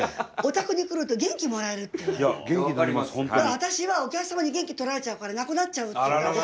私はお客様に元気取られちゃうからなくなっちゃうって。